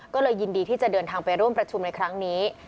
ก็เลยยินดีที่จะเดินทางไปร่วมประชุมในครั้งนี้